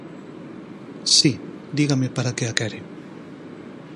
Si, dígame para que a quere.